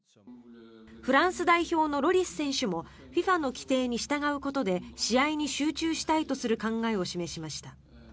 フランス代表のロリス選手もＦＩＦＡの規定に従うことで試合に集中したいとする考えを示しました。